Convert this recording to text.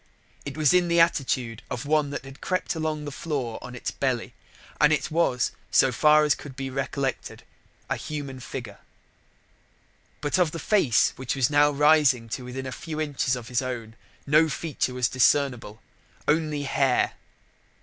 It was in the attitude of one that had crept along the floor on its belly, and it was, so far as could be collected, a human figure. But of the face which was now rising to within a few inches of his own no feature was discernible, only hair.